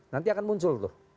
nanti akan muncul